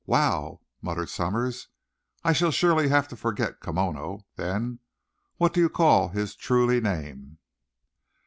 "Wow!" muttered Somers. "I shall surely have to, forget 'Kimono,' then. What do you call his truly name?"